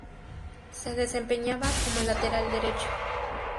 Se desempeñaba como lateral derecho.